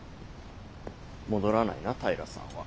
戻らないな平さんは。